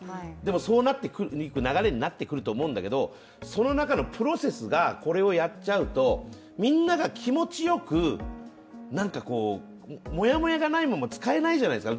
そういう流れになってくると思うんだけどその中のプロセスがこれをやっちゃうとみんなが気持ちよくなんかもやもやがないまま使えないじゃないですか。